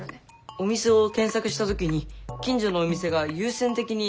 お店を検索した時に近所のお店が優先的に出ることもあるね。